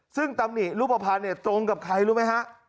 ซึ่งรูปภัณฑ์ตรงกับใครรู้ไหมฮะ